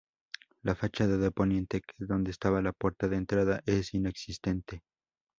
La fachada de poniente, que es donde estaba la puerta de entrada, es inexistente.